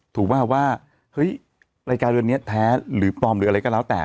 ถูกป่ะว่าเฮ้ยรายการเรือนนี้แท้หรือปลอมหรืออะไรก็แล้วแต่